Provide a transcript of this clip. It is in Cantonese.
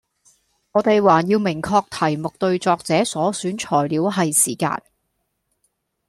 我哋還要明確題目對作者所選材料喺時間